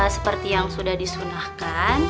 seperti yang sudah disunahkan